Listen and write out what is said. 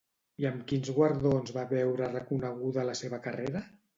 I amb quins guardons va veure reconeguda la seva carrera?